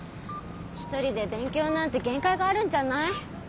一人で勉強なんて限界があるんじゃない？